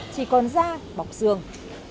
chỉ còn da bọc xương